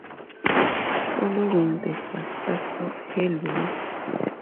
Following the success of Hello?